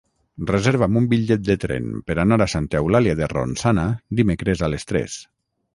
Reserva'm un bitllet de tren per anar a Santa Eulàlia de Ronçana dimecres a les tres.